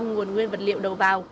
hai mươi nguồn nguyên vật liệu đầu vào